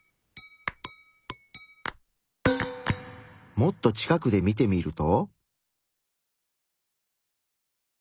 もっと近くで見てみると？